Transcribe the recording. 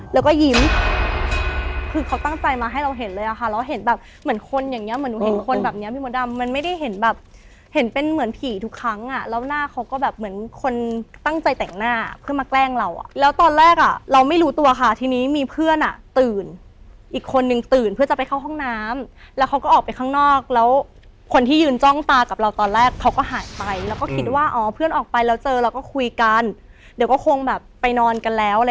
แล้วก็ยิ้มคือเขาตั้งใจมาให้เราเห็นเลยอะค่ะแล้วเห็นแบบเหมือนคนอย่างเนี้ยเหมือนหนูเห็นคนแบบเนี้ยพี่มดดำมันไม่ได้เห็นแบบเห็นเป็นเหมือนผีทุกครั้งอ่ะแล้วหน้าเขาก็แบบเหมือนคนตั้งใจแต่งหน้าเพื่อมาแกล้งเราอ่ะแล้วตอนแรกอ่ะเราไม่รู้ตัวค่ะทีนี้มีเพื่อนอ่ะตื่นอีกคนนึงตื่นเพื่อจะไปเข้าห้องน้ำแล้วเขาก็ออกไปข้